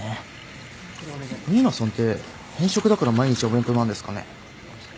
新名さんって偏食だから毎日お弁当なんですかね。